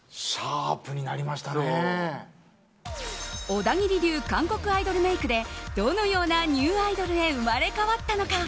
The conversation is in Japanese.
小田切流韓国アイドルメイクでどのようなニューアイドルへ生まれ変わったのか。